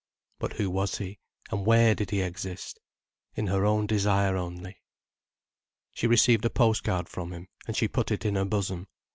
But who was he, and where did he exist? In her own desire only. She received a post card from him, and she put it in her bosom.